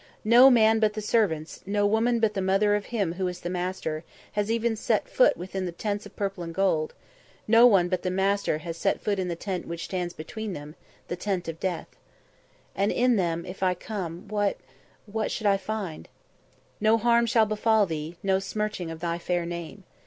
"No man but the servants, no woman but the mother of him who is the master, has even set foot within the Tents of Purple and of Gold; no one but the master has set foot in the tent which stands between them, the Tent of Death." "And in them if I come, what what should I find?" "No harm shall befall thee, no smirching of thy fair name.